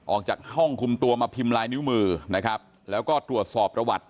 ออกจากห้องคุมตัวมาพิมพ์ลายนิ้วมือนะครับแล้วก็ตรวจสอบประวัติ